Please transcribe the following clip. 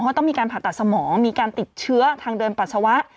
เพราะต้องมีการผ่าตัดสมองมีการติดเชื้อทางเดินปัสสาวะ